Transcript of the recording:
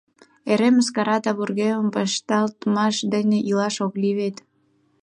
Эре мыскара да вургемым вашталтымаш дене илаш ок лий вет...